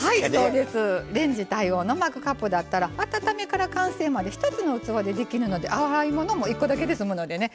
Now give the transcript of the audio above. レンジ対応のマグカップだったら温めから完成まで１つの器でできるので洗い物も１個だけで済むのでねいいでしょ。